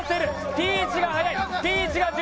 ピーチが早い。